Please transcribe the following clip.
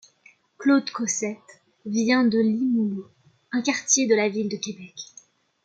Claude Cossette vient de Limoilou, un quartier de la ville de Québec.